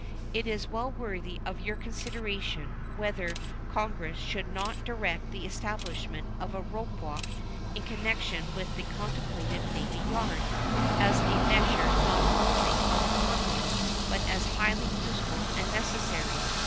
It is well worthy of your consideration whether Congress should not direct the establishment of a ropewalk in connection with the contemplated navy yard, as a measure not only of economy, but as highly useful and necessary.